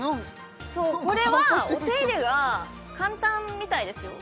そうこれはお手入れが簡単みたいですよ